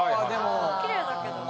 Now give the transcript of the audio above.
・きれいだけどね・